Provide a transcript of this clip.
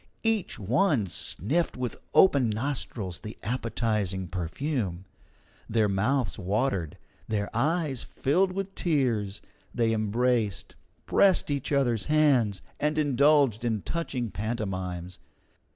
Each one sniffed with open nostrils the appetizing perfume. Their mouths watered, their eyes filled with tears, they embraced, pressed each other's hands, and indulged in touching pantomimes.